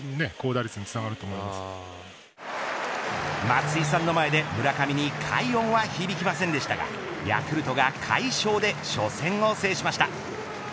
松井さんの前で村上に快音は響きませんでしたがヤクルトが快勝で初戦を制しました。